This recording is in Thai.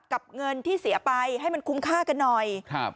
เงินที่เสียไปให้มันคุ้มค่ากันหน่อยครับ